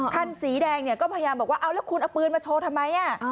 คันสีแดงเนี่ยก็พยายามบอกว่าเอาแล้วคุณเอาปืนมาโชว์ทำไม